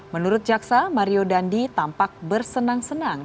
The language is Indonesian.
menurut jaksa mario dandi tampak bersenang senang